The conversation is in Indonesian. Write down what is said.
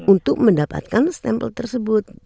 untuk mendapatkan stempel tersebut